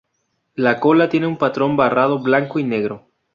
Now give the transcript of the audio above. La cola tiene un patrón barrado blanco y negro.